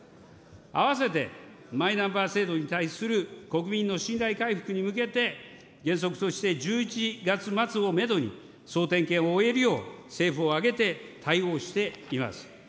あわせて、マイナンバー制度に対する国民の信頼回復に向けて、原則として１１月末をメドに、総点検を終えるよう、政府を挙げて対応しています。